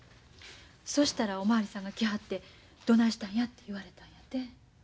そしたらお巡りさんが来はってどないしたんやって言われたんやて。